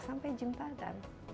sampai jumpa dan